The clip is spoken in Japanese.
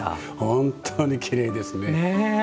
本当にきれいですね。